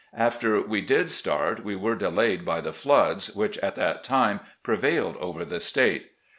After we did start we were delayed by the floods, which at that time prevailed over the State.